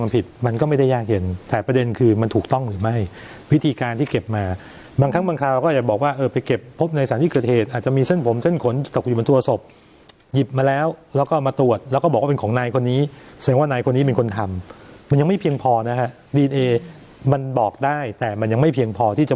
ผิดมันก็ไม่ได้ยากเย็นแต่ประเด็นคือมันถูกต้องหรือไม่พิธีการที่เก็บมาบางครั้งบางคราวก็อาจจะบอกว่าเออไปเก็บพบในสารที่เกิดเหตุอาจจะมีเส้นผมเส้นขนตกอยู่บนตัวศพหยิบมาแล้วแล้วก็เอามาตรวจแล้วก็บอกว่าเป็นของนายคนนี้แสดงว่านายคนนี้เป็นคนทำมันยังไม่เพียงพอนะฮะดีเอนเอมันบอกได้แต่มันยังไม่เพียงพอที่จะ